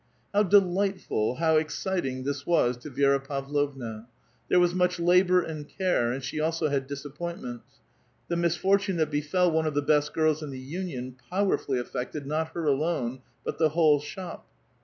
How delightful, how exciting this was to Vi^ra Pavlovna J there was much labor and care, and she also had disappoint ments. The misfortune that befell one of the best girls in the union powerfully affected not her alone, but the whole shop.